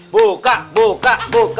buka buka buka